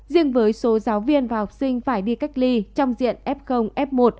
riêng với số giáo viên và học sinh phải đi cách ly trong diện f f một